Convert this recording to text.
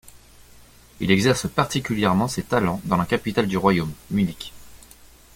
Il exerce particulièrement ses talents dans la capitale du royaume, Munich.